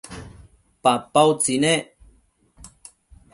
papa utsi nec